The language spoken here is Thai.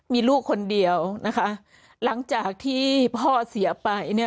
มีลูกคนเดียวนะคะหลังจากที่พ่อเสียไปเนี่ย